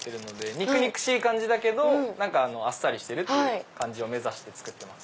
肉々しいけどあっさりしてる感じ目指して作ってます。